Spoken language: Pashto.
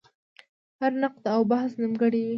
هر نقد او بحث نیمګړی وي.